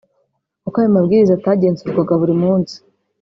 kuko ayo mabwiriza atagenzurwaga buri munsi